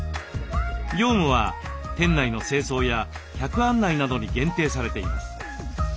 業務は店内の清掃や客案内などに限定されています。